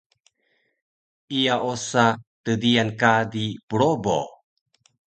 iya osa tdiyan kadi probo